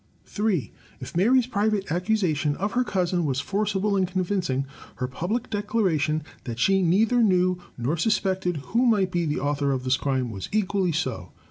3. If Mary's private accusation of her cousin was forcible and convincing, her public declaration that she neither knew nor sus pected who might be the author of this crime, was equally so.